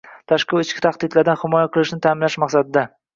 tashqi va ichki tahdidlardan himoya qilishni ta’minlash maqsadida;